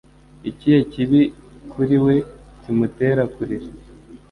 ikihe kibi kuri we kimutera kurira